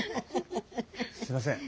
すいません。